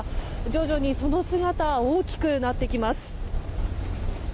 徐々にその姿は大きくなってきます。